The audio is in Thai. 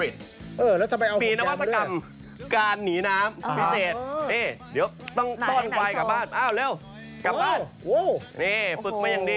ดู